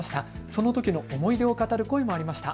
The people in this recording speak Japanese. そのときの思い出を語る声もありました。